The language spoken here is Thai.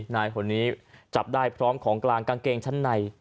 นายคนนี้จับได้พร้อมของกลางกางเกงชั้นใน